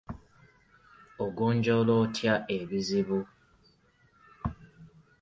Ogonjoola otya ebizibu?